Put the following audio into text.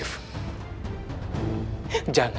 jangan sok jadi orang baik